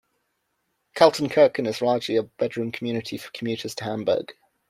Kaltenkirchen is largely a bedroom community for commuters to Hamburg.